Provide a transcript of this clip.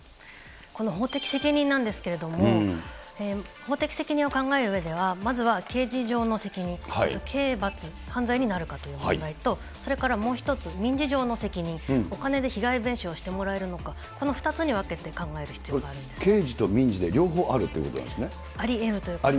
この法的責任なんですけれども、法的責任を考えるうえでは、まずは刑事上の責任、あと刑罰、犯罪になるかという問題と、それからもう一つ、民事上の責任、お金で被害弁償してもらえるのか、この２つに分けて考える必要があ刑事と民事で両方あるというありえるということです。